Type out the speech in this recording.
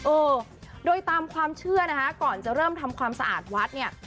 เออโดยตามความเชื่อนะคะก่อนจะเริ่มทำความสะอาดวัดเนี่ย